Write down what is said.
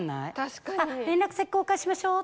「連絡先交換しましょ」。